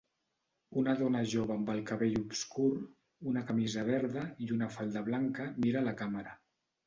Una dona jove amb el cabell obscur, una camisa verda i una falda blanca mira a la càmera.